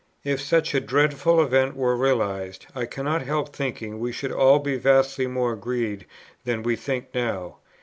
"If such dreadful events were realized, I cannot help thinking we should all be vastly more agreed than we think now.